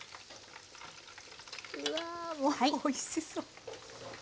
うわもうおいしそう！